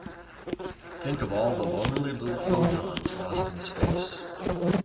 Think of all the lonely little photons lost in space.